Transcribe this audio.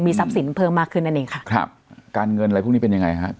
ทรัพย์สินเพิ่มมากขึ้นนั่นเองค่ะครับการเงินอะไรพวกนี้เป็นยังไงฮะ